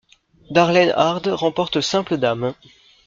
Darlene Hard remporte le simple dames.